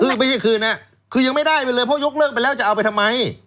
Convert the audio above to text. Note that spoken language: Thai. คือไม่ใช่คืนนะคือยังไม่ได้ไปเลยเพราะยกเลิกไปแล้วจะเอาไปทำไม